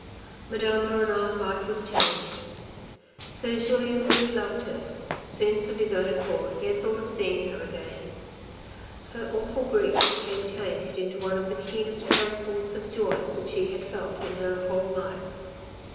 Madame de Renal's life was changed. So Julien really loved her, since of his own accord he had thought of seeing her again. Her awful grief became changed into one of the 164 THE RED AND THE BLACK keenest transports of joy which she had felt in her whole life.